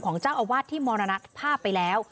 เจ้าอาวาสที่มรณภาพไปแล้ว